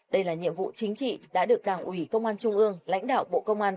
đây là nhiệm vụ chính trị đã được đảng ủy công an trung ương lãnh đạo bộ công an